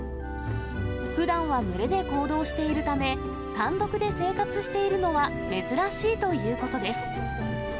ふだんは群れで行動しているため、単独で生活しているのは珍しいということです。